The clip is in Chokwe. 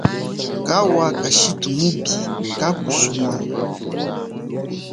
Kawa kashithu mupi kakusumana.